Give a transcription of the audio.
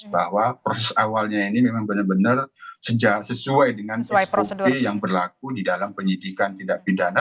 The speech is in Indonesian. bahwa proses awalnya ini memang benar benar sesuai dengan sop yang berlaku di dalam penyidikan tidak pidana